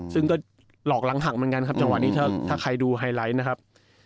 ซึ่งก็หลอกหลังหักเหมือนกันครับจังหวะนี้ถ้าใครดูไฮไลท์นะครับ